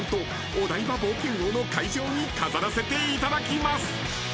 お台場冒険王の会場に飾らせていただきます］